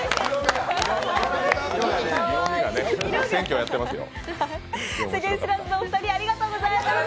今、選挙やってますよ。